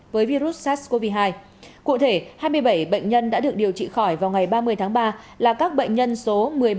với virus sars cov hai cụ thể hai mươi bảy bệnh nhân đã được điều trị khỏi vào ngày ba mươi tháng ba là các bệnh nhân số